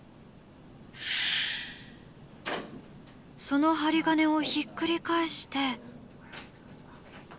その針金をひっくり返して。